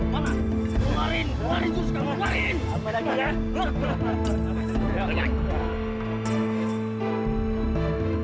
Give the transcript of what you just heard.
keluarin keluarin suska keluarin